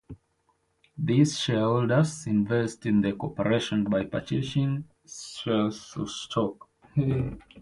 These shareholders invest in the corporation by purchasing shares of stock.